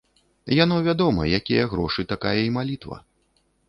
Яно вядома, якія грошы, такая і малітва.